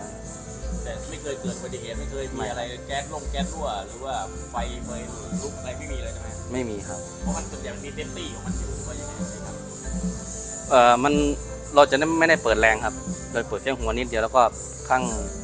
อ่ามานเราจะไม่ได้เปิดแล้งครับเราเปิดเคลื่อนหัวนิดเดี๋ยวแล้วก็ข้าง